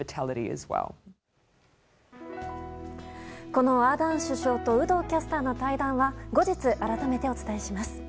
このアーダーン首相と有働キャスターの対談は後日、改めてお伝えします。